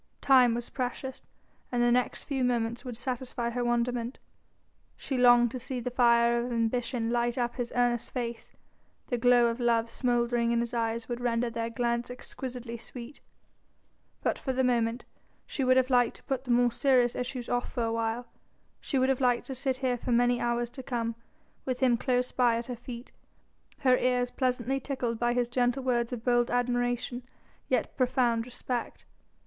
Time was precious, and the next few moments would satisfy her wonderment. She longed to see the fire of ambition light up his earnest face: the glow of love smouldering in his eyes would render their glance exquisitely sweet. But for the moment she would have liked to put the more serious issues off for a while, she would have liked to sit here for many hours to come, with him close by at her feet, her ears pleasantly tickled by his gentle words of bold admiration yet profound respect.